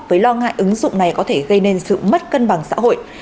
với lo ngại ứng dụng này có thể gây nên sự mất cân bằng xã hội